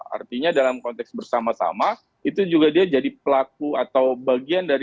artinya dalam konteks bersama sama itu juga dia jadi pelaku atau bagian dari